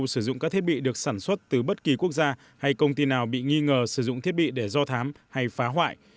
sử dụng các thiết bị được sản xuất từ bất kỳ quốc gia hay công ty nào bị nghi ngờ sử dụng thiết bị để do thám hay phá hoại